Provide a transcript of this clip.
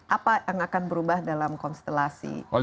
apa yang akan berubah dalam konstelasi